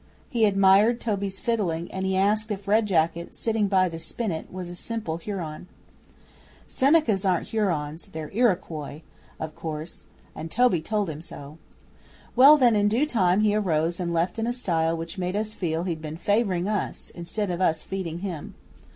He admired at Toby's fiddling, and he asked if Red Jacket, sitting by the spinet, was a simple Huron. Senecas aren't Hurons, they're Iroquois, of course, and Toby told him so. Well, then, in due time he arose and left in a style which made us feel he'd been favouring us, instead of us feeding him.